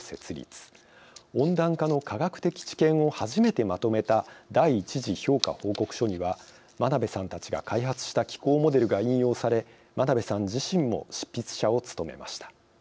温暖化の科学的知見を初めてまとめた第１次評価報告書には真鍋さんたちが開発した気候モデルが引用され真鍋さん自身も執筆者を務めました。